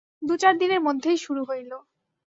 দু-চার দিনের মধ্যেই শুরু হইল।